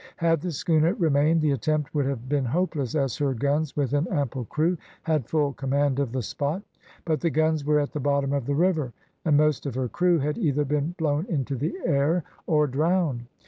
Had the schooner remained, the attempt would have been hopeless, as her guns with an ample crew had full command of the spot; but the guns were at the bottom of the river, and most of her crew had either been blown into the air, or drowned.